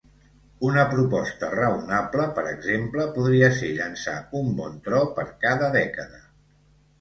Una proposta raonable, per exemple, podria ser llançar un bon tro per cada dècada.